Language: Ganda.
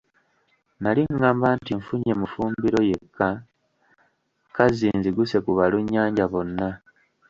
Nnali ngamba nti nfunye mufumbiro yekka, kazzi nziguse ku balunnyanja bonna.